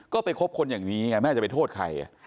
ก็ไปคบคนอย่างนี้ไงแม่จะไปโทษใคร